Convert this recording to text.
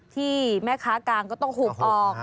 ที่แม่ค้ากางก็ต้องหุบออก